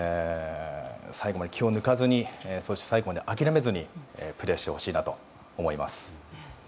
最後まで気を抜かずにそして最後まで諦めずにプレーしてほしいなと思います。